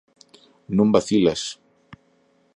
non vacilas.